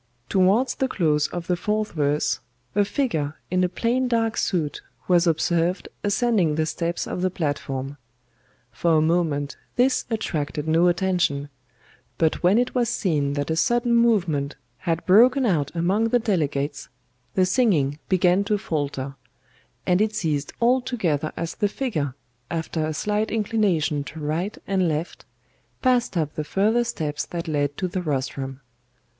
"Towards the close of the fourth verse, a figure in a plain dark suit was observed ascending the steps of the platform. For a moment this attracted no attention, but when it was seen that a sudden movement had broken out among the delegates, the singing began to falter; and it ceased altogether as the figure, after a slight inclination to right and left, passed up the further steps that led to the rostrum.